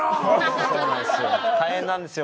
大変なんですよ